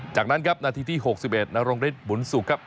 จากนั้นครับนาทีที่๖๑นรงฤทธิบุญสุขครับ